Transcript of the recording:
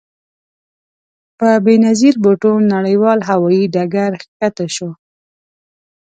په بې نظیر بوټو نړیوال هوايي ډګر کښته شوو.